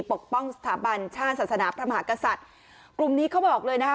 ปกป้องสถาบันชาติศาสนาพระมหากษัตริย์กลุ่มนี้เขาบอกเลยนะคะ